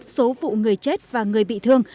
số vụ người chết và người bị thương